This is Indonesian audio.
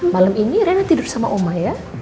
malam ini rena tidur sama oma ya